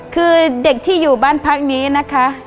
คือเด็กที่อยู่บ้านพักนี้นะคะ